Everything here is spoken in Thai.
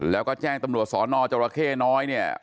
แล้วก็แจ้งตำรวจสอนอจรเข้น้อยเนี่ย